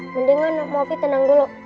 mendingan mopi tenang dulu